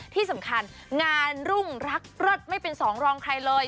ที่สำคัญงานรุ่งรักเลิศไม่เป็นสองรองใครเลย